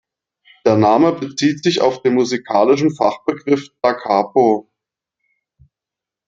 Der Name bezieht sich auf den musikalischen Fachbegriff da capo.